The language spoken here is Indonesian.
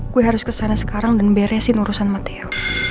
gue harus kesana sekarang dan beresin urusan material